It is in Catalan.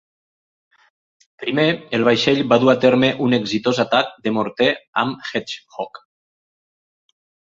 Primer, el vaixell va dur a terme un exitós atac de morter amb Hedgehog.